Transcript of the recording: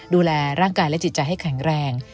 ดูแลร่างกายและจิตใจให้แข็งแรง